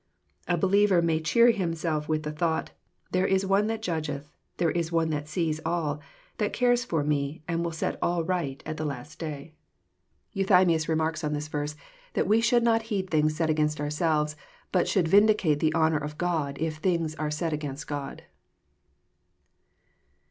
A believer may cheer himself with the thought, " There is One that judgeth. There is One that sees all, that cares for me, and will set all right at the last day." JOHN, CHAP. vin. 127 Eath3nnias remarks on this verse that we should not heed things said against oarselves, bat should vindicate the honour of Grod if things are said against God.